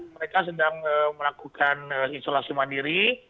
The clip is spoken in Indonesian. mereka sedang melakukan isolasi mandiri